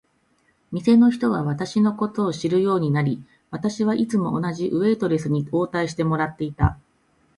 店の人は私のことを知るようになり、私はいつも同じウェイトレスに応対してもらっていた。